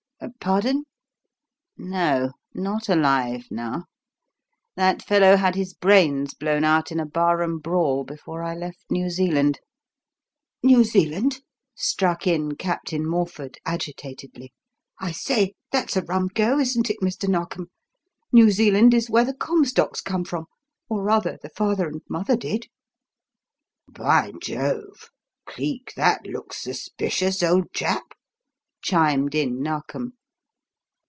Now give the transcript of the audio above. Pardon? No, not alive now; that fellow had his brains blown out in a bar room brawl before I left New Zealand." "New Zealand?" struck in Captain Morford agitatedly. "I say, that's a rum go, isn't it, Mr. Narkom. New Zealand is where the Comstocks come from or, rather, the father and mother did." "By Jove! Cleek, that looks suspicious, old chap," chimed in Narkom.